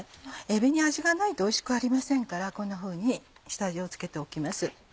えびに味がないとおいしくありませんからこんなふうに下味を付けておきます。